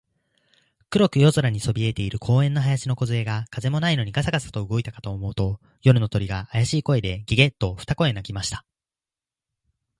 黒く夜空にそびえている公園の林のこずえが、風もないのにガサガサと動いたかと思うと、夜の鳥が、あやしい声で、ゲ、ゲ、と二声鳴きました。